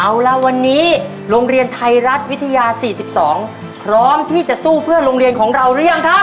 เอาละวันนี้โรงเรียนไทยรัฐวิทยา๔๒พร้อมที่จะสู้เพื่อโรงเรียนของเราหรือยังครับ